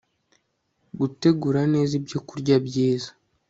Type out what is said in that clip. gutegura neza ibyokurya byiza